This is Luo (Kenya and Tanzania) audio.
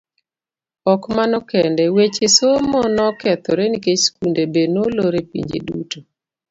Ok mano kende, weche somo nokethore nikech skunde be nolor e pinje duto.